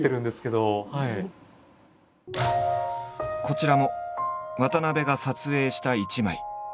こちらも渡部が撮影した一枚。